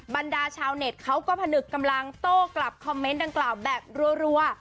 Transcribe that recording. บรรดาชาวเน็ตเขาก็ผนึกกำลังโต้กลับคอมเมนต์ดังกล่าวแบบรัว